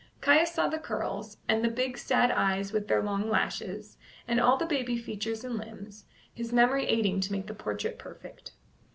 Caius saw the curls, and the big sad eyes with their long lashes, and all the baby features and limbs, his memory aiding to make the portrait perfect.